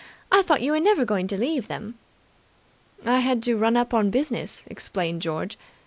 I thought you were never going to leave them." "I had to run up on business," explained George.